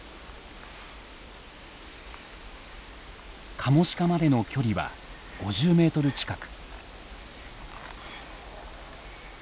カモシカまでの距離は５０メートル近く。